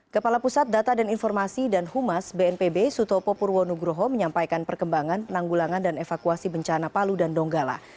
kepala pusat data dan informasi dan humas bnpb sutopo purwonugroho menyampaikan perkembangan penanggulangan dan evakuasi bencana palu dan donggala